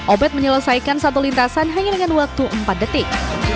obet menyelesaikan satu lintasan hanya dengan waktu empat detik